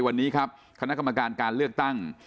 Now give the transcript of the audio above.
วันนี้ครับคณะกรรมการการเลือกตั้ง